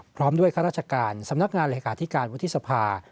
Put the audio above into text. พร้อมด้วยข้าราชการสำนักงานเลขาธิการวุฒิสภา